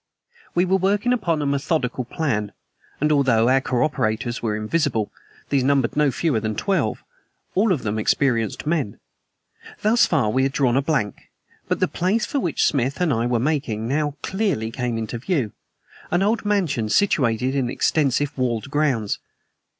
We were working upon a methodical plan, and although our cooperators were invisible, these numbered no fewer than twelve all of them experienced men. Thus far we had drawn blank, but the place for which Smith and I were making now came clearly into view: an old mansion situated in extensive walled grounds.